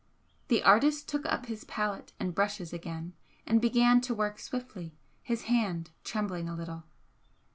The artist took up his palette and brushes again and began to work swiftly, his hand trembling a little.